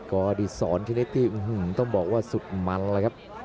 กอดีศรเครนิติอื้อหือต้องบอกว่าสุดมันเลยครับ